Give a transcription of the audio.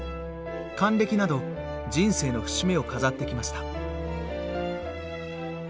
還暦など人生の節目を飾ってきました。